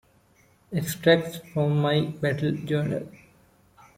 "Extracts from My Battle Journal"